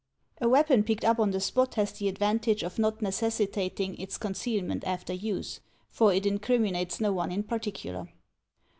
A weapon picked up on the spot has the advantage of not necessitating its concealment after use, for it incriminates no one in particular.